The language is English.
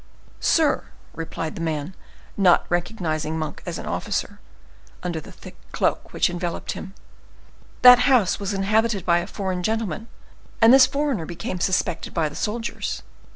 "Sir," replied the man, not recognizing Monk as an officer, under the thick cloak which enveloped him, "that house was inhabited by a foreign gentleman, and this foreigner became suspected by the soldiers.